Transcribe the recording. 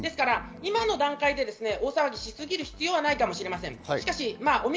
今の段階で大騒ぎしすぎる必要はないかもしれません。